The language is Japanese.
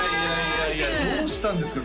どうしたんですか？